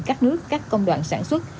cắt nước cắt công đoạn sản xuất